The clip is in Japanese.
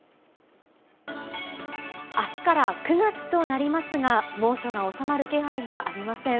あすから９月となりますが、猛暑が収まる気配がありません。